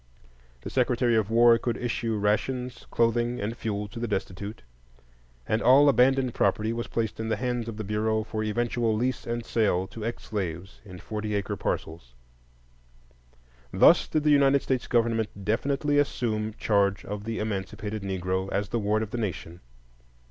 The Secretary of War could issue rations, clothing, and fuel to the destitute, and all abandoned property was placed in the hands of the Bureau for eventual lease and sale to ex slaves in forty acre parcels. Thus did the United States government definitely assume charge of the emancipated Negro as the ward of the nation.